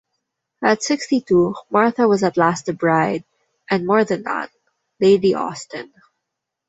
At sixty-two, Martha was at last a bride, and more than that, Lady Austen.